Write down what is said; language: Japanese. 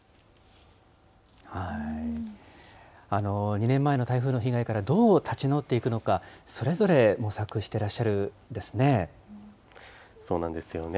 ２年前の台風の被害からどう立ち直っていくのか、それぞれ模索してらっしゃるんですね。